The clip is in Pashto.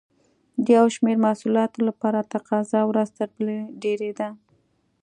د یو شمېر محصولاتو لپاره تقاضا ورځ تر بلې ډېرېده.